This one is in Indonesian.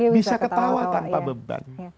bisa ketawa tanpa beban